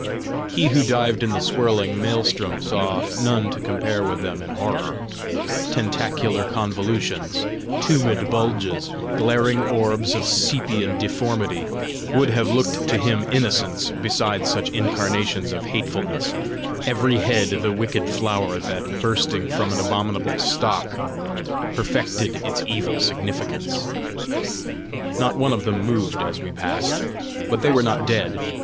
He who dived in the swirling Maelstrom saw none to compare with them in horror: tentacular convolutions, tumid bulges, glaring orbs of sepian deformity, would have looked to him innocence beside such incarnations of hatefulness every head the wicked flower that, bursting from an abominable stalk, perfected its evil significance. Not one of them moved as we passed. But they were not dead.